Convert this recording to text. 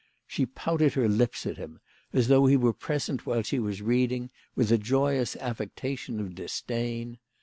She pouted her lips at him, as though he were present while she was reading, with a joyous affectation of disdain.